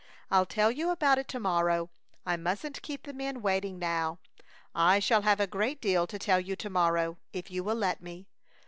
"I'll tell you about it to morrow. I mustn't keep the men waiting now. I shall have a great deal to tell you to morrow if you will let me.